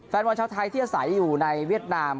แฟนว่าชาวไทยเที่ยวใสอยู่ในเวียดนาม